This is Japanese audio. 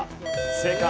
正解。